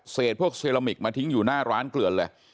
พวกเซรามิกมาทิ้งอยู่หน้าร้านเกลือนเลย